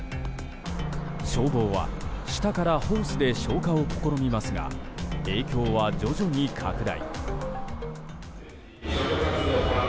消防は下からホースで消火を試みますが影響は徐々に拡大。